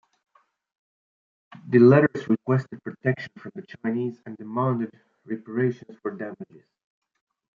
The letters requested protection from the Chinese and demanded reparations for damages.